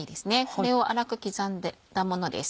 これを粗く刻んだものです。